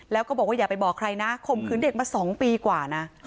แล้วก็บอกว่าอย่าไปบอกใครนะข่มขืนเด็กมา๒ปีกว่านะ